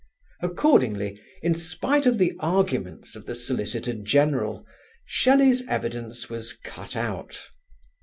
Accordingly, in spite of the arguments of the Solicitor General, Shelley's evidence was cut out.